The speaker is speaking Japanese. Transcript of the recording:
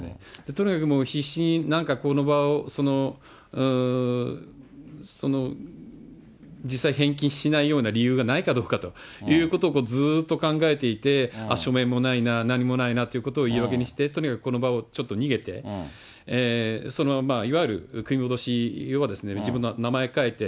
とにかくもう必死の、この場を実際、返金しないような理由がないかどうかということをずっと考えていて、書面もないな、何もないなってことを言い訳にして、とにかくこの場をちょっと逃げて、そのまま、いわゆる組み戻し、要は自分の名前書いて、